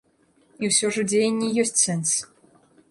І ўсё ж у дзеянні ёсць сэнс.